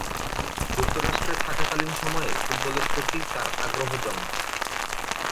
যুক্তরাষ্ট্রে থাকাকালীন সময়ে ফুটবলের প্রতি তার আগ্রহ জন্মায়।